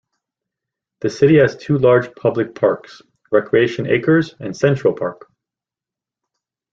The city has two large public parks: Recreation Acres and Central Park.